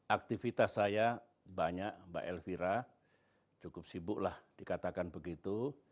aktivitas saya banyak mbak elvira cukup sibuklah dikatakan begitu